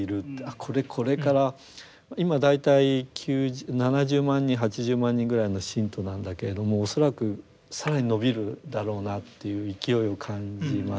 これこれから今大体７０万人８０万人ぐらいの信徒なんだけれども恐らく更に伸びるだろうなという勢いを感じましたね。